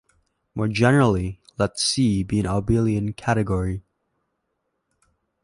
More generally, let C be an abelian category.